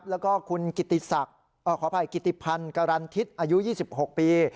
แล้วก็คุณกิติภัณฑ์กรรณทิศอายุ๒๖ปี